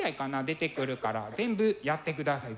出てくるから全部やってください。